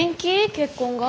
結婚が？